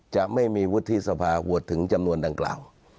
จะไม่มีวุฒิสภาโหวตถึงจำนวนดังกล่าว